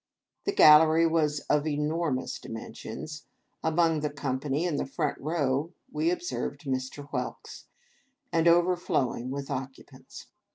The gallery was of enormous di mensions (among the company, in the front row, we ob served Mr. Whelks) ; and overflowing with occupants.